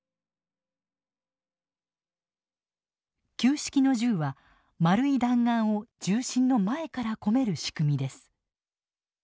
旧式の銃は丸い弾丸を銃身の前から込める仕組みです。